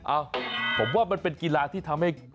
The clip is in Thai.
เอ้าผมว่ามันเป็นกีฬาที่ทำให้